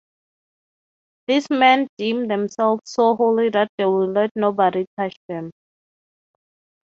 These men deem themselves so holy that they will let nobody touch them.